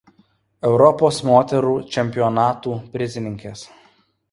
Europos moterų čempionatų prizininkės.